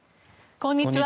こんにちは。